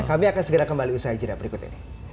kami akan segera kembali usaha hijrah berikut ini